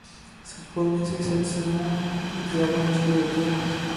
سچ بولنے سے سچ سنا زیادہ مشکل ہوتا ہے